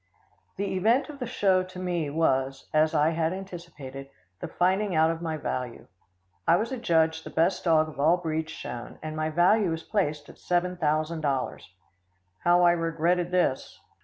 The event of the show to me was, as I had anticipated, the finding out of my value. I was adjudged the best dog of all breeds shown, and my value was placed at seven thousand dollars. How I regretted this.